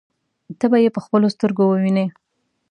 ته به يې په خپلو سترګو ووینې.